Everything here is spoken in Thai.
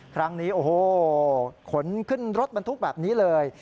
ครั้งนี้โอ้โหขนขึ้นรถบรรทุกแบบนี้เลย